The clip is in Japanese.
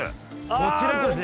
こちらですね